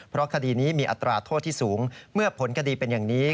เพราะคดีนี้มีอัตราโทษที่สูงเมื่อผลคดีเป็นอย่างนี้